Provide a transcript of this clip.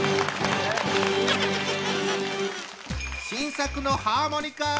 新作のハーモニカ！